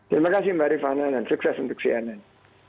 terima kasih mbak rifana dan sukses untuk cnn